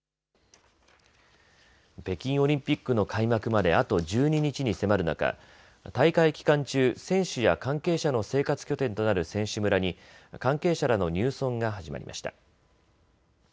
北京オリンピックの開幕まであと１２日に迫る中、大会期間中、選手や関係者の生活拠点となる選手村に関係者らの入村が始まりました。